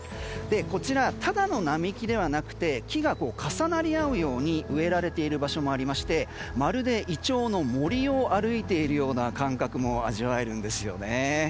こちらは、ただの並木ではなくて木が重なり合うように植えられている場所もありましてまるでイチョウの森を歩いているような感覚も味わえるんですよね。